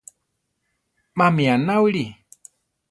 Mami anáwili?